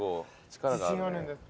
自信あるんです。